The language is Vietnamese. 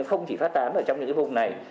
không chỉ phát tán ở trong những vùng này